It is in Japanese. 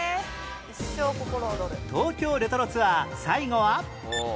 東京レトロツアー最後は